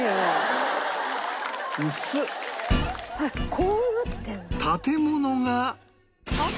「こうなってるんだ」